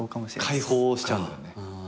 解放しちゃうんだよね。